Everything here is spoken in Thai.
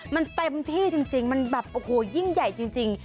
มันเต็มที่จริงมันแบบโอ้โหยิ่งใหญ่จริง